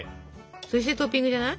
そしてトッピングじゃない？